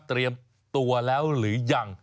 เตรียมตัวแล้วหรือยัง